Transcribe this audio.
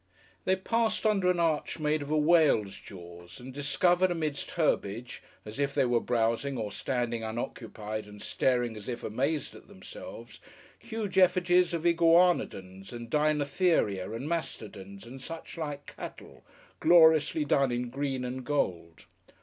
They passed under an arch made of a whale's jaws, and discovered amidst herbage, as if they were browsing or standing unoccupied and staring as if amazed at themselves, huge effigies of iguanodons and deinotheria and mastodons and suchlike cattle, gloriously done in green and gold.